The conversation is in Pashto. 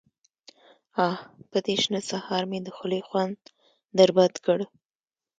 _اه! په دې شنه سهار مې د خولې خوند در بد کړ.